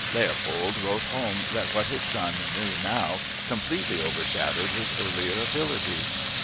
Leopold wrote home that what his son knew now completely overshadowed his earlier abilities.